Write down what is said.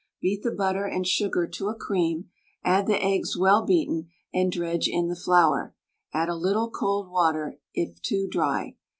Beat the butter and sugar to a cream, add the eggs well beaten, and dredge in the flour, add a little cold water it too dry.